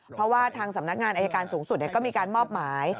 เพราะว่าทางสำนักงานอายการสูงสุดก็มีการมอบหมาย